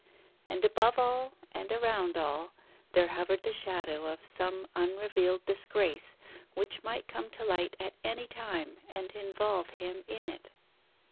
And above all, and around all, there hovered the shadow of some unrevealed disgrace, which might come to light at any time and involve him in it.